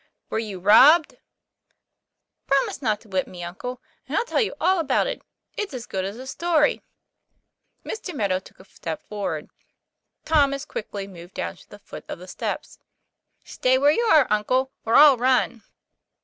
" Were you robbed ?" "Promise not to whip me, uncle, and I'll tell you all about it. It's as good as a story." Mr. Meadow took a step forward ; Tom as quickly moved down to the foot of the steps. "Stay where you are, uncle, or I'll run."